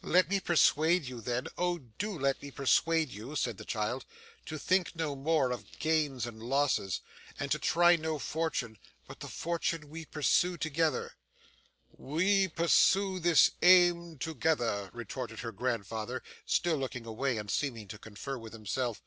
'Let me persuade you, then oh, do let me persuade you,' said the child, 'to think no more of gains or losses, and to try no fortune but the fortune we pursue together.' 'We pursue this aim together,' retorted her grandfather, still looking away and seeming to confer with himself.